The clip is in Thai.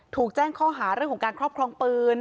ถูกแจ้งข้อหาเรื่องของการครอบครองปืน